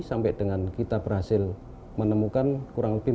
sampai dengan kita berhasil menemukan kurang lebih empat jam